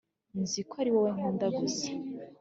nzi ko ari wowe nkunda gusa